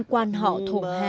quan họ thổ hà